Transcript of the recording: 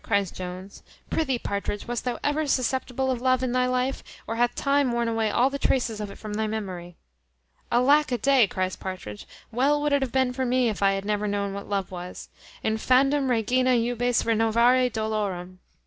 cries Jones. "Prithee, Partridge, wast thou ever susceptible of love in thy life, or hath time worn away all the traces of it from thy memory?" "Alack a day!" cries Partridge, "well would it have been for me if I had never known what love was. Infandum regina jubes renovare dolorem.